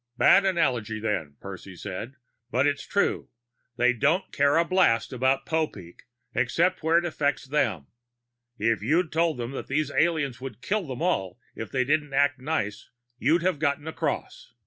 "Bad analogy, then," Percy said. "But it's true. They don't care a blast about Popeek, except where it affects them. If you'd told them that these aliens would kill them all if they didn't act nice, you'd have gotten across.